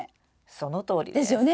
そのとおりです。ですよね！